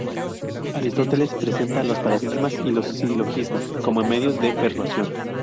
Aristóteles presenta los paradigmas y los silogismos como medios de persuasión.